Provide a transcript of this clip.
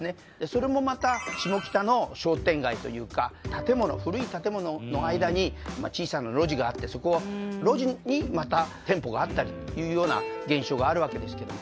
それもまた下北の商店街というか建もの古い建ものの間に小さな路地があってそこは路地にまた店舗があったりっていうような現象があるわけですけど。